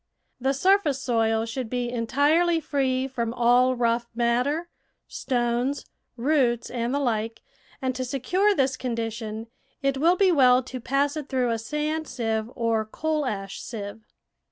The surface soil should be entirely free from all rough matter, stones, roots, and the like, and to secure this condition, it will be well to pass it through a sand sieve or coal ash sieve.